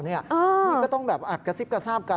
นี่ก็ต้องแบบกระซิบกระทราบกัน